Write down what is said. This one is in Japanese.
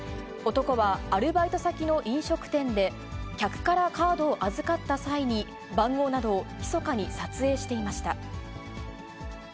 男はアルバイト先の飲食店で、客からカードを預かった際に、番号などをひそかに撮影していました。